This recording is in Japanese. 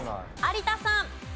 有田さん。